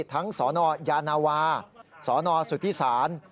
ทั้งสนยานาวาสนสุทธิศาล